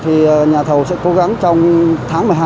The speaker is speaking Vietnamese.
thì nhà thầu sẽ cố gắng trong tháng một mươi hai